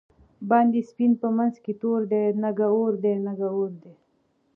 باندی سپین په منځ کی تور دۍ، نگه اور دی نگه اور دی